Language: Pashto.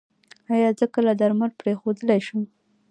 ایا زه کله درمل پریښودلی شم؟